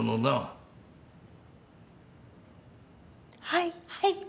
はいはい。